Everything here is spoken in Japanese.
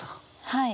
はい。